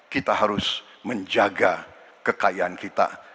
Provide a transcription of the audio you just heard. kita harus menjaga kekayaan kita